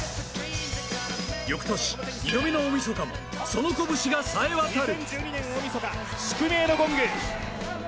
翌年２度目の大みそかも、その拳がさえ渡る。